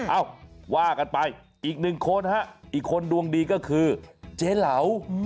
เอ้าว่ากันไปอีกหนึ่งคนฮะอีกคนดวงดีก็คือเจ๊เหลา